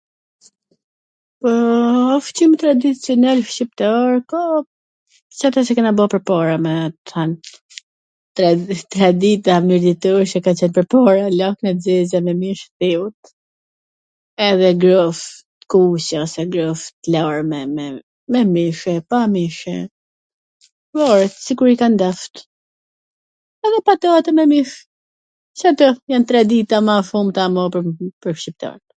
Ushqim tradicional shqiptar ka si ato qw kena bo pwrpara me t tan, tradita mirditore qw ka qen pwrpara, lakra t zeza me mish thiut edhe grosh t kuqe ose grosh t larme, me mish e pa mish e, varet, sikur i kan dasht, edhe patate me mish, Cato jan tradita ma shumta pwr shqiptarwt.